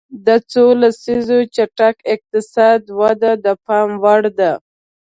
دا څو لسیزې چټکه اقتصادي وده د پام وړ ده.